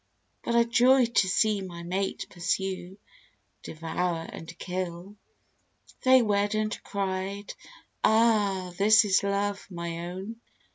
But I joy to see my mate pursue, devour and kill." They wed, and cried, "Ah, this is Love, my own!"